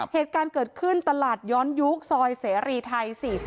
เหตุการณ์เกิดขึ้นตลาดย้อนยุคซอยเสรีไทย๔๐